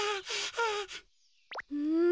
うん？